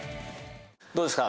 どうですか？